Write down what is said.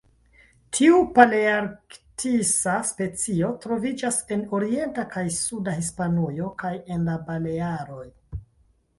Tiu palearktisa specio troviĝas en orienta kaj suda Hispanujo, kaj en la Balearoj.